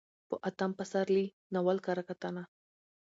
په اتم پسرلي ناول کره کتنه: